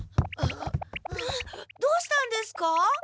どうしたんですか？